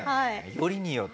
よりによって。